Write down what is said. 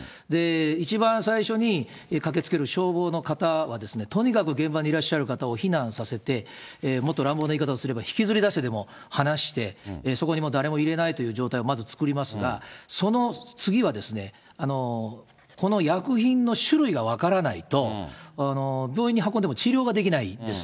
一番最初に駆けつける消防の方は、とにかく現場にいらっしゃる方を避難させて、もっと乱暴な言い方をすれば、引きずり出してでも離して、そこに誰も入れないという状態をまず作りますが、その次はですね、この薬品の種類が分からないと、病院に運んでも治療ができないんです。